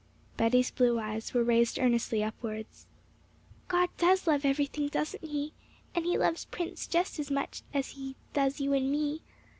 Betty's blue eyes were raised earnestly upwards. 'God does love everything, doesn't He? And He loves Prince just as much as He does you and me.'